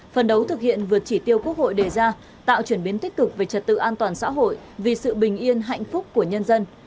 phần đấu thực hiện vượt chỉ tiêu quốc hội đề ra tạo chuyển biến tích cực về trật tự an toàn xã hội vì sự bình yên hạnh phúc của nhân dân